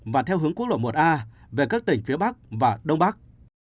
và theo hướng quốc lộ một a về các tỉnh phía bắc và đông bắc